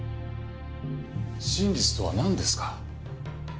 真実とはなんですか？